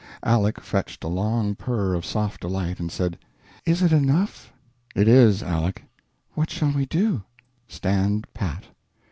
Aleck fetched a long purr of soft delight, and said: "Is it enough?" "It is, Aleck." "What shall we do?" "Stand pat."